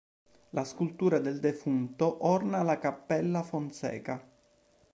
La scultura del defunto orna la cappella Fonseca.